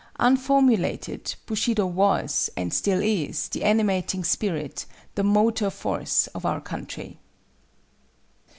Unformulated, Bushido was and still is the animating spirit, the motor force of our country.